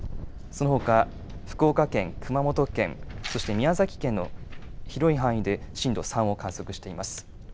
そのほか、福岡県、熊本県、そして宮崎県の広い範囲で震度３を観測しています。